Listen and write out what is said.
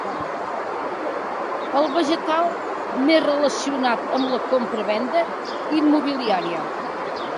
El vegetal més relacionat amb la compra-venda immobiliària.